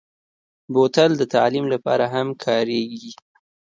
بوتل د تعلیم لپاره هم کارېږي.